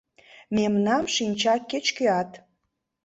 Мемнам шинча кеч-кӧат: